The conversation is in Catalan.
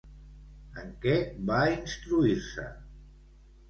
En què va instruir-se?